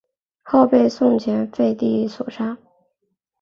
后被宋前废帝所杀。